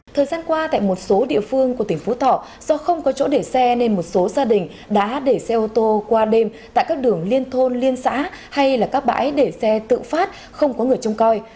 thời gian qua tại một số địa phương của tỉnh phú thọ do không có chỗ để xe nên một số gia đình đã để xe ô tô qua đêm tại các đường liên thôn liên xã hay là các bãi để xe tự phát không có người trông coi